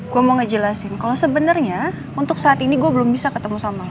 gue mau ngejelasin kalau sebenarnya untuk saat ini gue belum bisa ketemu sama